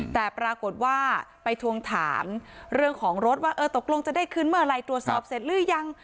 แต่ปรากฏว่าไปทวงถามเรื่องของรถว่าเออตกลงจะได้คืนเมื่อไหร่ตรวจสอบเสร็จหรือยัง